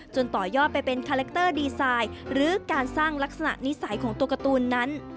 ต่อยอดไปเป็นคาแรคเตอร์ดีไซน์หรือการสร้างลักษณะนิสัยของตัวการ์ตูนนั้น